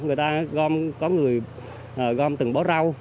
người ta gom có người gom từng bó rau